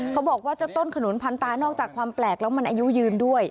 เขาบอกว่าเจ้าต้นขนุนพันตานอกจากความแปลกแล้วมันอายุยืนด้วย